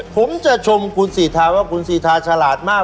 ผมจะชมคุณสีทาว่าคุณสิทาฉลาดมาก